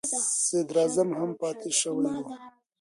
صدر اعظم هم پاتې شوی و.